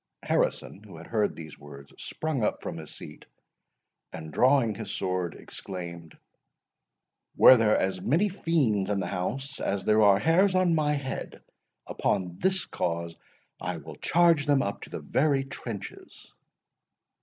Harrison, who had heard these words, sprung from his seat, and drawing his sword, exclaimed, "Were there as many fiends in the house as there are hairs on my head, upon this cause I will charge them up to their very trenches!"